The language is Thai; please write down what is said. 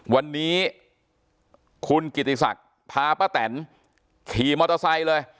วันนี้คุณกิติศักดิ์พาป้าแตนขี่มอเตอร์ไซค์เลย